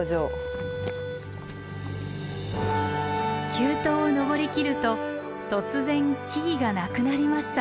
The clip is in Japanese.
急登を登りきると突然木々がなくなりました。